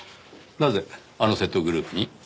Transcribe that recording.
なぜあの窃盗グループに？